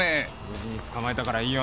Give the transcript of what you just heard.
無事に捕まえたからいいが。